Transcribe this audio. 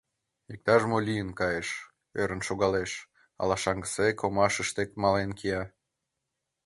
Иктаж-мо лийын кайыш — ӧрын шогалеш, ала шаҥгысек омашыште мален кия.